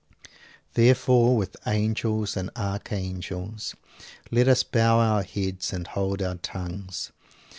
Therefore, "with angels and archangels" let us bow our heads and hold our tongues.